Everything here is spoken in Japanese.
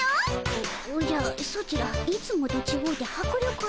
おおじゃソチらいつもとちごうてはくりょくあるの。